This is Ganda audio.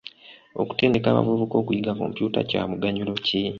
Okutendeka abavubuka okuyiga kompyuta kya muganyulo ki?